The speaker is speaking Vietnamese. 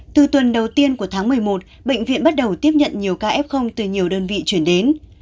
từ tuần đầu tiên của tháng một mươi một bệnh viện bắt đầu tiếp nhận nhiều ca f từ nhiều đơn vị chuyển đến